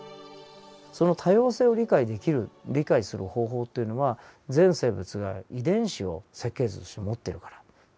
その多様性を理解できる理解する方法というのは全生物が遺伝子を設計図として持ってるから。